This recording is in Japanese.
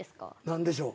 何でしょう？